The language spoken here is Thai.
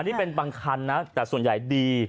นี่เป็นบางคันนะแต่ส่วนใหญ่ดี